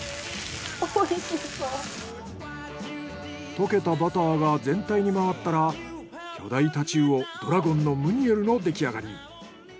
溶けたバターが全体にまわったら巨大太刀魚ドラゴンのムニエルのできあがり。